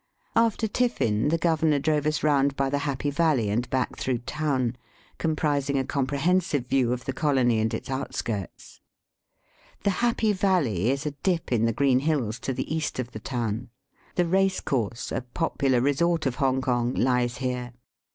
After tiffin, the governor drove us round by the Digitized by VjOOQIC THE GIBBALTAB OF THE EAST. 115 Happy Valley and back through town, com prising a comprehensive view of the colony and its outskirts. The Happy Valley is a dip in the green hills to the east of the town. The racecourse, a popular resort of Hong kong, lies here.